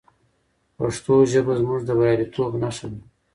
پښتو ژبه زموږ د بریالیتوب نښه ده.